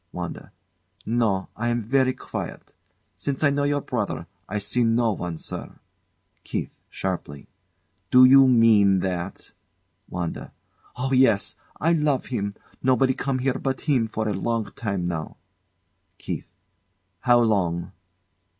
WANDA. No; I am verree quiet. Since I know your brother, I see no one, sare. KEITH. [Sharply] Do you mean that? WANDA. Oh, yes! I love him. Nobody come here but him for a long time now. KEITH. How long?